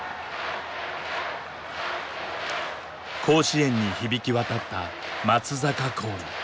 甲子園に響き渡った松坂コール。